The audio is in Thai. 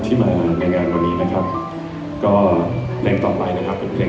มีบางเพลงสุดสิ่งจริงจริงท้องใจ